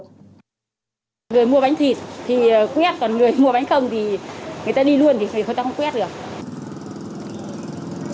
người mua bánh thịt thì quét còn người mua bánh không thì người ta đi luôn thì người ta không quét được